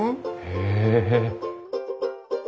へえ。